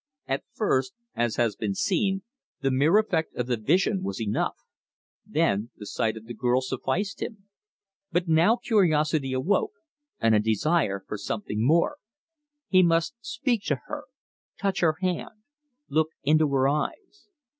At first, as has been seen, the mere effect of the vision was enough; then the sight of the girl sufficed him. But now curiosity awoke and a desire for something more. He must speak to her, touch her hand, look into her eyes.